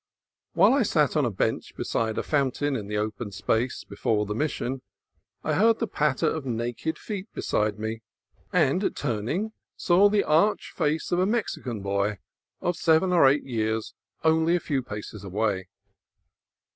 While I sat on a bench beside the fountain in the open space before the Mission, I heard the patter of naked feet beside me, and, turning, saw the arch face of a Mexican boy of seven or eight years only a few paces away.